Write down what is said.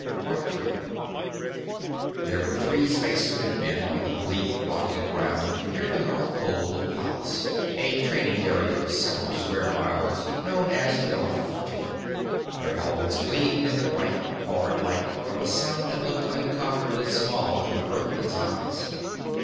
There were three space suited men on the bleak rocky ground near the north pole of Pallas, a training area of several square miles known as the North Forty. Their helmets gleamed in the bright, hard light from a sun that looked uncomfortably small to an Earthman's eyes.